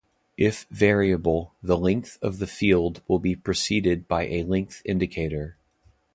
If variable, the length of the field will be preceded by a length indicator.